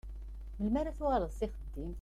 Melmi ara d-tuɣaleḍ s axeddim?